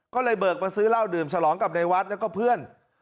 ก็เลยเบิกมาซื้อเหล้าดื่มฉลองกับในวัดแล้วก็เพื่อน